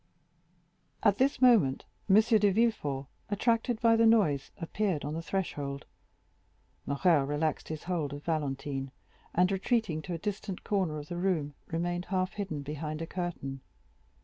At this moment M. de Villefort, attracted by the noise, appeared on the threshold. Morrel relaxed his hold of Valentine, and retreating to a distant corner of the room remained half hidden behind a curtain.